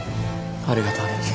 ありがとう兄貴。